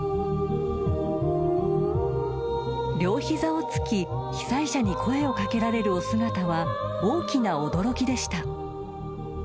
［両膝を突き被災者に声を掛けられるお姿は大きな驚きでした］